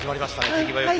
手際良く。